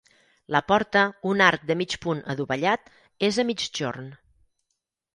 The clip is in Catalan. La porta, un arc de mig punt adovellat, és a migjorn.